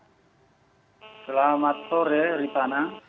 selamat sore ritana